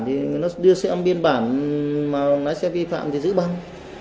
thì nó đưa xem biên bản mà lái xe vi phạm thì giữ bằng